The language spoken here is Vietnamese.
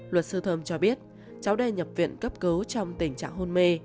luật sư thơm cho biết cháu đây nhập viện cấp cứu trong tình trạng hôn mê